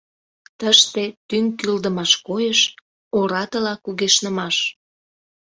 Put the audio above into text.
Тыште тӱҥ кӱлдымаш койыш: орадыла кугешнымаш.